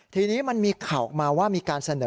ทีนี้มันมีข่าวออกมาว่ามีการเสนอ